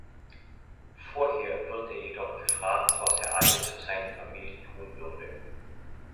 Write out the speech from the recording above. Vorher wird er jedoch gefragt, was er alles für seine Familie tun würde.